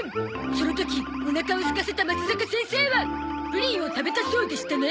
その時おなかをすかせたまつざか先生はプリンを食べたそうでしたね？